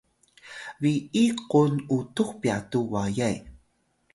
bi’iy kung utux pyatu wayay